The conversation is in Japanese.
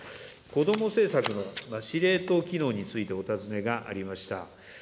子ども政策の司令塔機能についてお尋ねがありました。